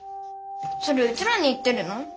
それうちらに言ってるの？